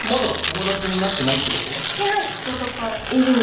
好きな人とかいるの？